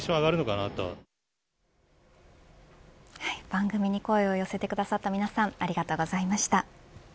番組に声を寄せてくださった皆さんありがとうございました。